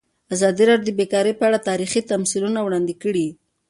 ازادي راډیو د بیکاري په اړه تاریخي تمثیلونه وړاندې کړي.